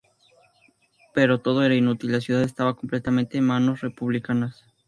Pero todo era inútil, la ciudad estaba completamente en manos republicanas.